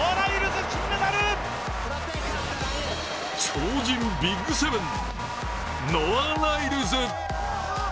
超人ＢＩＧ７、ノア・ライルズ。